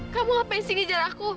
kamu apa yang singgih jarakku